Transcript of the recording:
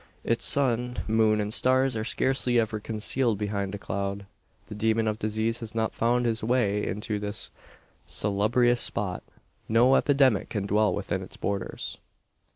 Its sun, moon, and stars are scarcely ever concealed behind a cloud. The demon of disease has not found his way into this salubrious spot: no epidemic can dwell within its borders.